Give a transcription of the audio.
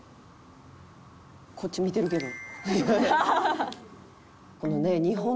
「こっち見てるけど」